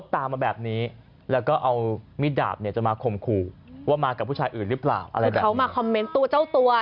แต่ติ๊กก็จะเห็นว่าผู้ชายชมพูนะฮะ